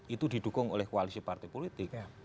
itu didukung oleh koalisi partai politik